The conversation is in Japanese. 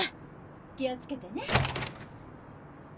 気をつけてね。